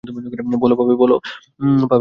বলো, পাবে?